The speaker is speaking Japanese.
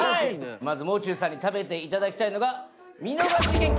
まずもう中さんに食べていただきたいのが見逃し厳禁！！